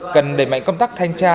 cần đẩy mạnh công tác thanh tra